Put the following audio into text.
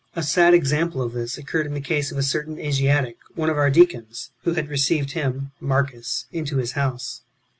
A sad example of this occurred in the case of a certain Asiatic, one of our deacons, who had received him (Marcus) into his house.